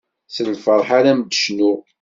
S lferḥ ara m-d-cnuɣ.